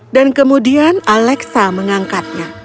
dan kemudian alexa mengangkatnya